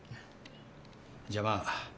じゃまあ